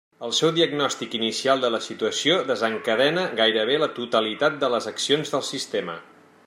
El seu diagnòstic inicial de la situació desencadena gairebé la totalitat de les accions del sistema.